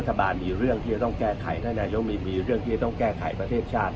รัฐบาลมีเรื่องที่จะต้องแก้ไขท่านนายกมีเรื่องที่จะต้องแก้ไขประเทศชาติ